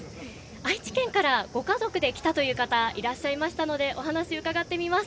愛知県からご家族で来たという方がいらっしゃいましたのでお話を伺ってみます。